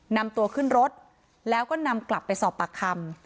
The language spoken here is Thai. นำตัวขึ้นรถแล้วก็นำกลับไปสอบปากคำ